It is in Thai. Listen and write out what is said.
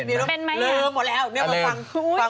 เคยท้องเคยมีลูกเริ่มหมดแล้ว